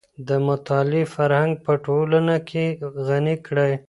د مطالعې فرهنګ په ټولنه کي غني کړئ.